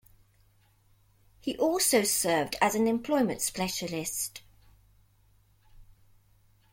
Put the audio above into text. He also served as an employment specialist.